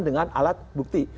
dengan alat bukti